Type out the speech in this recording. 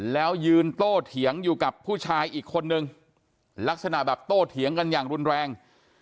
แล้วยืนโต้เถียงอยู่กับผู้ชายอีกคนนึงลักษณะแบบโตเถียงกันอย่างรุนแรง